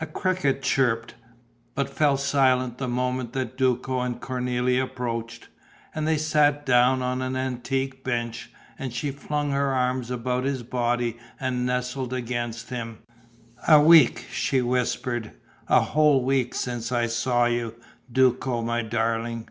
A cricket chirped, but fell silent the moment that Duco and Cornélie approached. And they sat down on an antique bench; and she flung her arms about his body and nestled against him: "A week!" she whispered. "A whole week since I saw you, Duco, my darling.